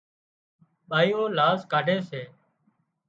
ٻايُون لاز ڪاڍي سي